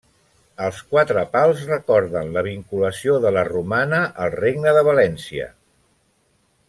Els quatre pals recorden la vinculació de la Romana al Regne de València.